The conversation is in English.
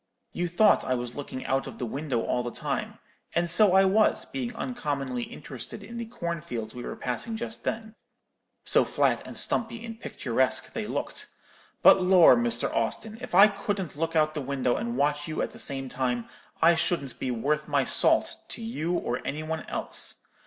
You thought I was looking out of the window all the time; and so I was, being uncommonly interested in the corn fields we were passing just then, so flat and stumpy and picturesque they looked; but, lor', Mr. Austin, if I couldn't look out of the window and watch you at the same time, I shouldn't be worth my salt to you or any one else.